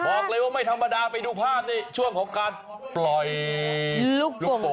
บอกเลยไม่ธรรมดาไปดูพาเตี้ยช่วงของการปล่อยลูกบ่ง